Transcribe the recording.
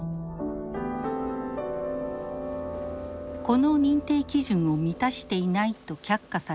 この認定基準を満たしていないと却下された管さん。